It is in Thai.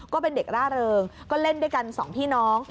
ก็เป็นเด็กร่าเริงก็เล่นด้วยกันสองพี่น้อง